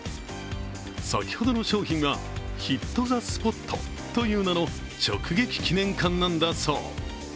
先ほどの商品はヒット・ザ・スポットという名の直撃記念缶なんだそう。